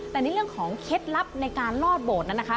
แต่ในเรื่องของเคล็ดลับในการลอดโบสถนั้นนะคะ